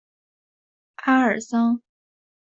阿尔桑。